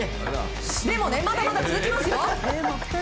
でもねまだまだ続きますよ。